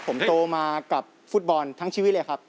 ผมโตมากับฟุตบอลทั้งชีวิตเลยครับ